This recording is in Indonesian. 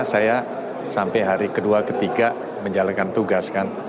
saya sampai hari kedua ketiga menjalankan tugas kan